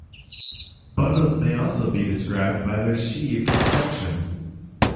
Bundles may also be described by their sheaves of sections.